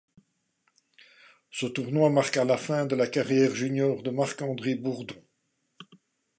Ce tournoi marqua la fin de la carrière junior de Marc-André Bourdon.